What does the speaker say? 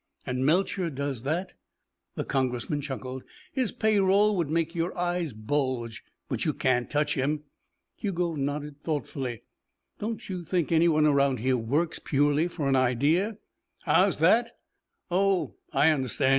"And Melcher does that?" The Congressman chuckled. "His pay roll would make your eyes bulge. But you can't touch him." Hugo nodded thoughtfully. "Don't you think anyone around here works purely for an idea?" "How's that? Oh I understand.